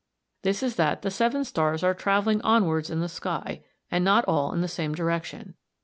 This is that the seven stars are travelling onwards in the sky, and not all in the same direction.